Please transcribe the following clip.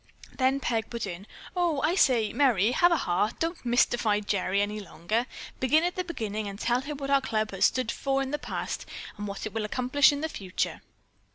Then Peg put in: "O, I say, Merry, have a heart; don't mystify Gerry any longer. Begin at the beginning and tell her what our club has stood for in the past, and what it will accomplish in the future."